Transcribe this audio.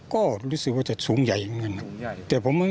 ก็รู้สึกว่าจะสูงใหญ่เหมือนกันครับ